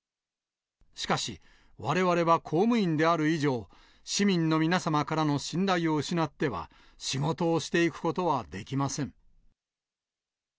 しかし、われわれは公務員である以上、市民の皆様からの信頼を失っては、仕事をしていくことはできません。